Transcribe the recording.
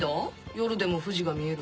夜でも富士が見えるって